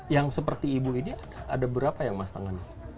yang seperti ibu ini ada berapa yang mas tangani